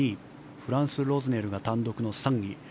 フランスロズネルが単独の３位。